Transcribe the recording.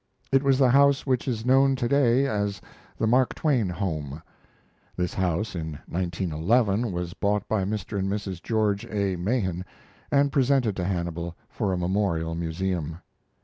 It was the house which is known today as the "Mark Twain Home." [This house, in 1911, was bought by Mr. and Mrs. George A. Mahan, and presented to Hannibal for a memorial museum.